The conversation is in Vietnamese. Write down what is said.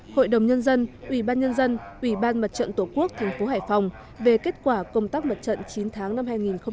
hội đồng nhân dân ubnd ubnd mặt trận tổ quốc tp hải phòng về kết quả công tác mặt trận chín tháng năm hai nghìn một mươi bảy